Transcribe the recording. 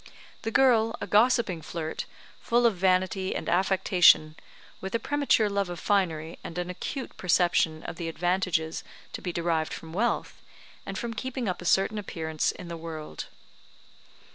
The girl, a gossipping flirt, full of vanity and affectation, with a premature love of finery, and an acute perception of the advantages to be derived from wealth, and from keeping up a certain appearance in the world.